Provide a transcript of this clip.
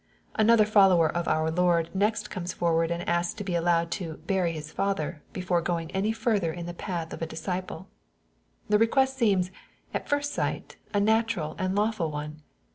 '* Another follower of our Lord next comes forward, and asks to be allowed to " bury his father," before going any further in the path of a disciple. The request seems, at first sight, a natural and lawful one.